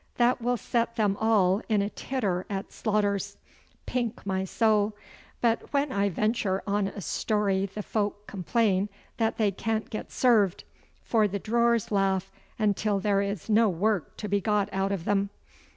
That will set them all in a titter at Slaughter's. Pink my soul! but when I venture on a story the folk complain that they can't get served, for the drawers laugh until there is no work to be got out of them.